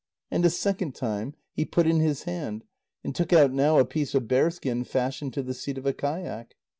And a second time he put in his hand, and took out now a piece of bearskin fashioned to the seat of a kayak.